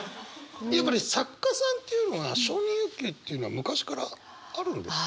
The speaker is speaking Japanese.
やっぱり作家さんっていうのは承認欲求っていうのは昔からあるんですか？